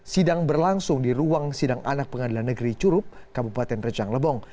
sidang berlangsung di ruang sidang anak pengadilan negeri curup kabupaten rejang lebong